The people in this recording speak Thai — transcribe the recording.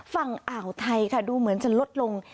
ฝั่งอ่าวไทยค่ะดูเหมือนจะลดลง